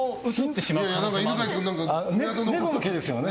猫の毛ですよね？